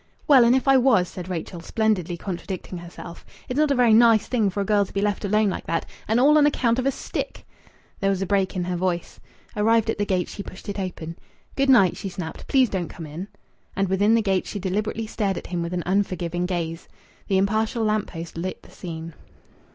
"Well, and if I was!" said Rachel, splendidly contradicting herself. "It's not a very nice thing for a girl to be left alone like that and all on account of a stick!" There was a break in her voice. Arrived at the gate, she pushed it open. "Good night," she snapped. "Please don't come in." And within the gate she deliberately stared at him with an unforgiving gaze. The impartial lamp post lighted the scene.